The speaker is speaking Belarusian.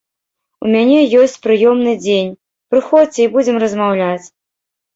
У мяне ёсць прыёмны дзень, прыходзьце і будзем размаўляць.